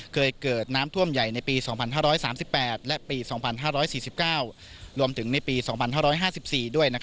เคยเกิดน้ำท่วมใหญ่ในปี๒๕๓๘และปี๒๕๔๙รวมถึงในปี๒๕๕๔ด้วย